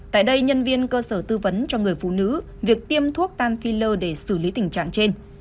tại đây nhân viên cơ sở tư vấn cho người phụ nữ việc tiêm thuốc tan phil để xử lý tình trạng trên